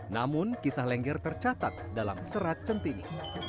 namun kisah lengger tercatat dalam serat centini